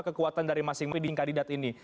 kekuatan dari masing masing kandidat ini